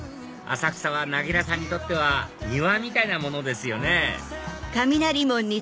浅草はなぎらさんにとっては庭みたいなものですよね